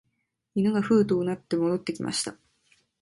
犬がふうと唸って戻ってきました